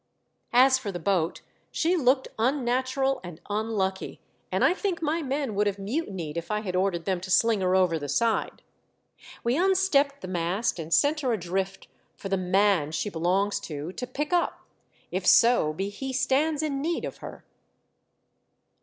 As for the boat, she looked unnatural and unlucky, and I think my men would have mutinied if I had ordered them to slino her over O the side. We unstepped the mast and sent her adrift for the man she belongs to to pick up, if so be he stands in need of her."